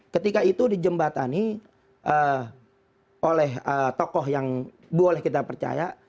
ketika itu dijembatani oleh tokoh yang boleh kita percaya